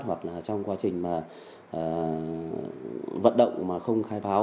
hoặc là trong quá trình vận động mà không khai pháo